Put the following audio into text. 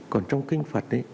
còn trong kinh phật ấy